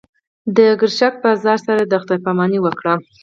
د ګرشک بازار سره خدای پاماني وکړه.